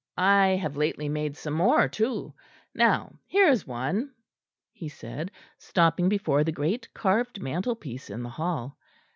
I have lately made some more, too. Now here is one," he said, stopping before the great carved mantelpiece in the hall.